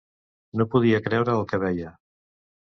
No podia creure el que veia.